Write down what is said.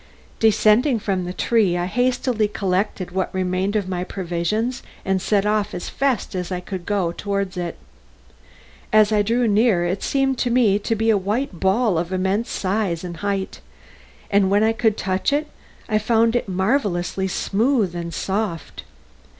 Descending from the tree I hastily collected what remained of my provisions and set off as fast as I could go towards it. As I drew near it seemed to me to be a white ball of immense size and height, and when I could touch it, I found it marvellously smooth and soft.